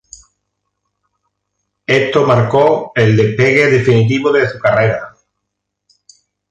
Esto marcó el despegue definitivo de su carrera.